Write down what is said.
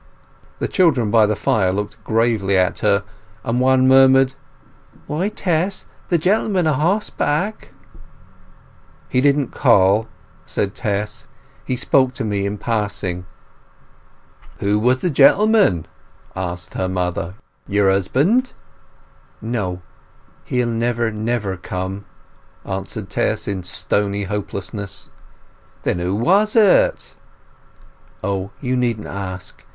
The children by the fire looked gravely at her, and one murmured— "Why, Tess, the gentleman a horseback!" "He didn't call," said Tess. "He spoke to me in passing." "Who was the gentleman?" asked the mother. "Your husband?" "No. He'll never, never come," answered Tess in stony hopelessness. "Then who was it?" "Oh, you needn't ask.